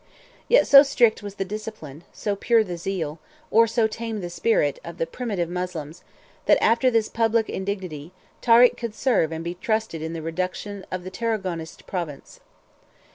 Yet so strict was the discipline, so pure the zeal, or so tame the spirit, of the primitive Moslems, that, after this public indignity, Tarik could serve and be trusted in the reduction of the Tarragonest province.